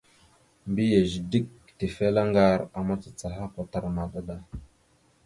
Mbiyez dik tefelaŋar a macacaha kwatar maɗa da.